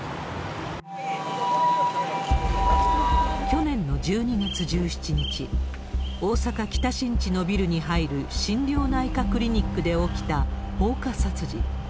去年の１２月１７日、大阪・北新地のビルに入る心療内科クリニックで起きた放火殺人。